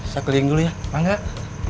saya ke link dulu ya kalau enggak